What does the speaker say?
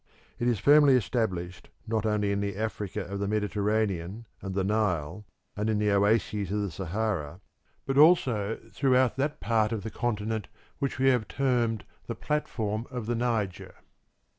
It is firmly established not only in the Africa of the Mediterranean and the Nile and in the oases of the Sahara, but also throughout that part of the continent which we have termed the platform of the Niger.